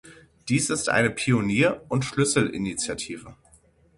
Dies ist eine Pionier- und Schlüsselinitiative.